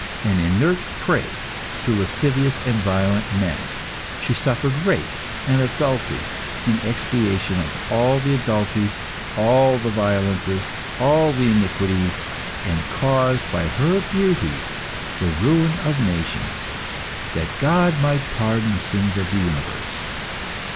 An inert prey to lascivious and violent men, she suffered rape and adultery, in expiation of all the adulteries, all the violences, all the iniquities, and caused, by her beauty, the ruin of nations, that God might pardon the sins of the universe.